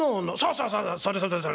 「そうそうそうそれそれ！